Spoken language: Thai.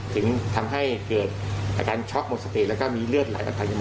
ถึงทำให้เกิดอาการช็อคมองเศรษฐ์แล้วก็มีเลือดหนักจมูกนะครับ